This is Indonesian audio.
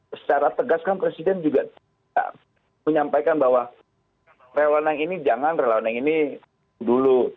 secara tegas kan presiden juga menyampaikan bahwa relawanang ini jangan relawanang ini dulu